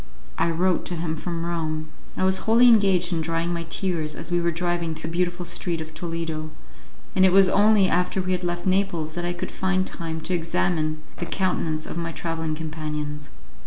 I wrote to him from Rome. I was wholly engaged in drying my tears as we were driving through the beautiful street of Toledo, and it was only after we had left Naples that I could find time to examine the countenance of my travelling companions.